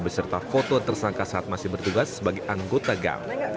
beserta foto tersangka saat masih bertugas sebagai anggota gam